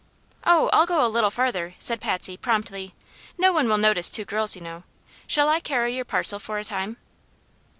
"Oh, I'll go a little farther," said Patsy, promptly. "No one will notice two girls, you know. Shall I carry your parcel for a time?"